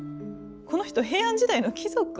この人平安時代の貴族？